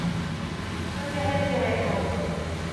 تو چہل پہل ہو۔